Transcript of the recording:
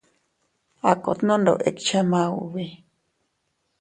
A kot nondoʼo ikche maubi.